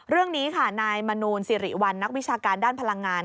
เรื่องนี้ค่ะนายมนูลสิริวัลนักวิชาการด้านพลังงาน